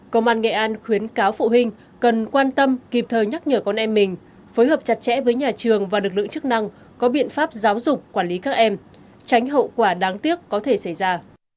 công an nghệ an khuyến cáo phụ huynh cần quan tâm kịp thời nhắc nhở con em mình phối hợp chặt chẽ với nhà trường và lực lượng chức năng có biện pháp giáo dục quản lý các em tránh hậu quả đáng tiếc có thể xảy ra